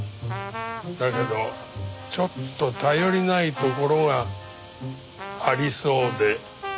だけどちょっと頼りないところがありそうで。